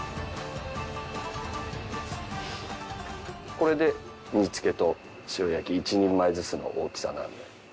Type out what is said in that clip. これで煮付けと塩焼き一人前ずつの大きさなんで。